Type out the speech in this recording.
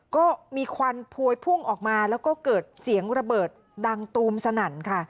ก็มีควันพวยพุ่งออกมาแล้วก็เกิดเสียงระเบิดดังตูมสนั่นค่ะ